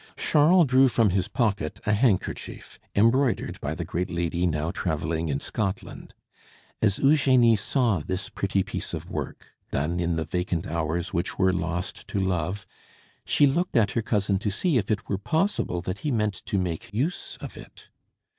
Charles drew from his pocket a handkerchief embroidered by the great lady now travelling in Scotland. As Eugenie saw this pretty piece of work, done in the vacant hours which were lost to love, she looked at her cousin to see if it were possible that he meant to make use of it.